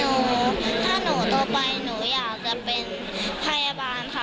ถ้าหนูโตไปหนูอยากจะเป็นพยาบาลค่ะ